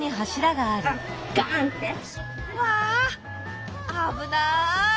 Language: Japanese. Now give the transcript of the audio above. うわ危ない！